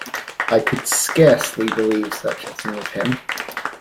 I could scarcely believe such a thing of him.